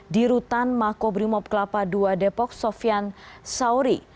di rutan makobrimob kelapa ii depok sofian sauri